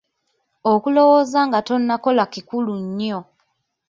Okulowooza nga tonnakola kikulu nnyo.